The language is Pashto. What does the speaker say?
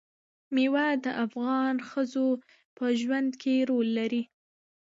مېوې د افغان ښځو په ژوند کې رول لري.